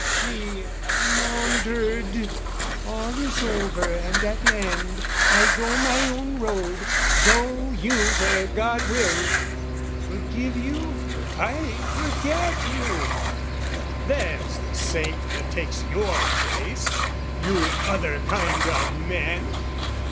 She maundered "All is over and at end: "I go my own road, go you where God will! "Forgive you? I forget you!" There's the saint That takes your taste, you other kind of men!